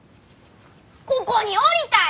ここにおりたい！